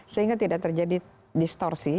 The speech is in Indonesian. sehingga tidak terjadi distorsi